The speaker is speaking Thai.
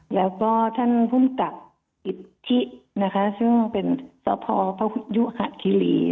แล้วก็ท่านภูมิกับอิทธิซึ่งเป็นซ้อพพยุหะคิรี